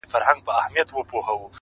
ستا څخه ډېر تـنگ!